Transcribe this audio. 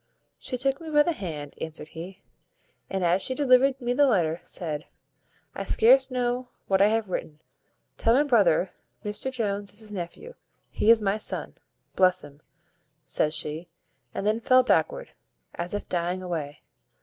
"She took me by the hand," answered he, "and, as she delivered me the letter, said, `I scarce know what I have written. Tell my brother, Mr Jones is his nephew He is my son. Bless him,' says she, and then fell backward, as if dying away.